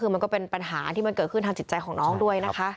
คือมันก็เป็นปัญหาที่มันเกิดขึ้นทางจิตใจของน้องด้วยนะคะ